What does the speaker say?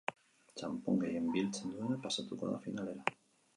Txanpon gehien biltzen duena pasatuko da finalera.